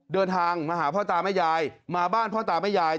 เดินทางมาหาพ่อตาแม่ยายมาบ้านพ่อตาแม่ยาย